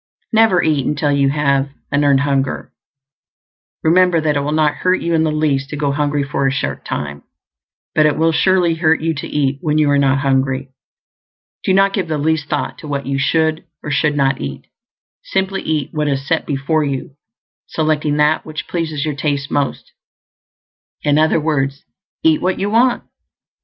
NEVER eat until you have an EARNED HUNGER. Remember that it will not hurt you in the least to go hungry for a short time; but it will surely hurt you to eat when you are not hungry. Do not give the least thought to what you should or should not eat; simply eat what is set before you, selecting that which pleases your taste most. In other words, eat what you want.